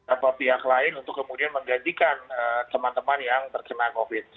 atau pihak lain untuk kemudian menggantikan teman teman yang terkena covid